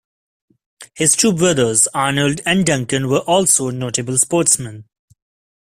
His two brothers Arnold and Duncan were also notable sportsmen.